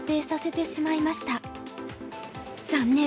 残念！